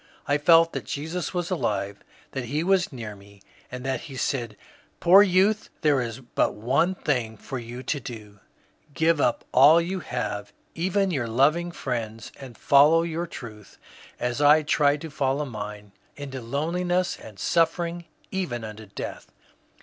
I felt that Jesus was alive, that he was near me ; and that he said, ^^ Poor youth, there is but one thing for you to do, — give up all you have, even your loving friends, and follow your truth as I tried to follow mine, into loneliness and suffering, even unto death.